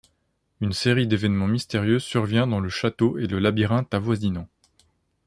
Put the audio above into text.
Une série d'événements mystérieux survient dans le château et le labyrinthe avoisinant.